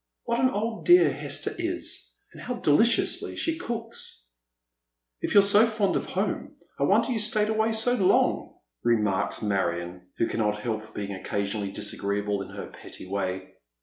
"What an old dear Hester is! and how deliciously she cooks l" "If you're so fond of home, I wonder you stayed away so long," remarks Marion, who cannot help being occasionally disagreeable in her petty way.